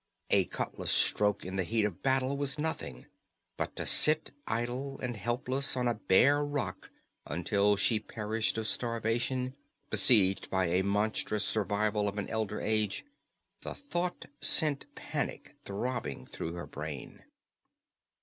A cutlas stroke in the heat of battle was nothing; but to sit idle and helpless on a bare rock until she perished of starvation, besieged by a monstrous survival of an elder age the thought sent panic throbbing through her brain.